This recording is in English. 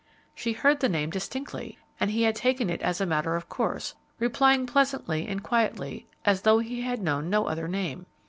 She heard the name distinctly, and he had taken it as a matter of course, replying pleasantly and quietly, as though he had known no other name.